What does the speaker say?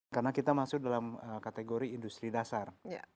karena kita masuk dalam kategori industri dasar